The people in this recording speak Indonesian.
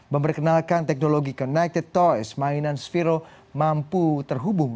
memperkenalkan teknologi connected toys mainan sphero mampu terhubung